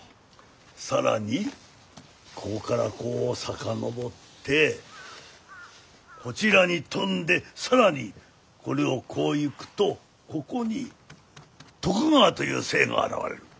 更にここからこう遡ってこちらに飛んで更にこれをこういくとここに「得川」という姓が現れる。